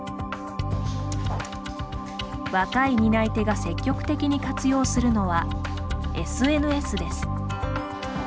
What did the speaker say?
若い担い手が積極的に活用するのはＳＮＳです。